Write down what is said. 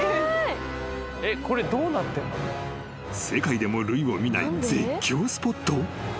［世界でも類を見ない絶叫スポット？］